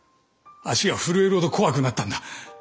足が震えるほど怖くなったんだ。